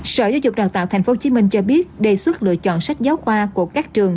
sở giáo dục đào tạo tp hcm cho biết đề xuất lựa chọn sách giáo khoa của các trường